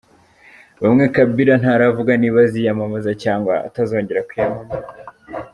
Bwana Kabila ntaravuga niba aziyamamaza cyangwa atazongera kwiyamamaza.